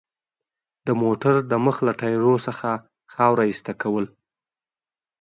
د موټر د مخ له ټایرونو څخه خاوره ایسته کول.